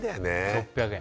６００円